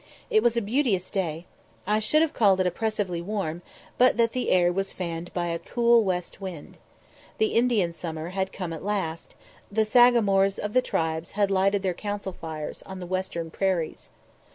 It was a beauteous day. I should have called it oppressively warm, but that the air was fanned by a cool west wind. The Indian summer had come at last; "the Sagamores of the tribes had lighted their council fires" on the western prairies.